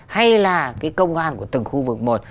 hay là công an của từng khu vực một